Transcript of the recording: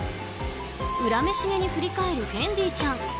恨めしげに振り返るフェンディちゃん。